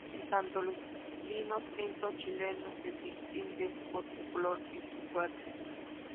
En tanto los vinos tintos chilenos se distinguen por su color y su cuerpo.